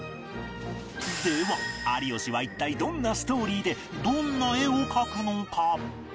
では有吉は一体どんなストーリーでどんな絵を描くのか？